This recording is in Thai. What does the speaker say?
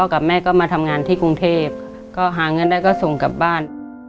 กับแม่ก็มาทำงานที่กรุงเทพก็หาเงินได้ก็ส่งกลับบ้าน